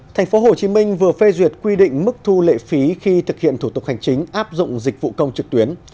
thành phố hồ chí minh vừa phê duyệt quy định mức thu lệ phí khi thực hiện thủ tục hành chính áp dụng dịch vụ công trực tuyến